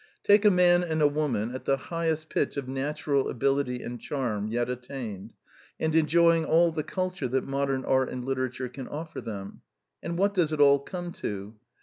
Take a man and a woman at the highest pitch of natural ability and charm yet attained, and enjoying all the culture that modern art and literature can offer them ; and what does it all come to